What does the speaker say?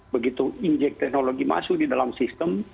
begitu injek teknologi masuk di dalam sistem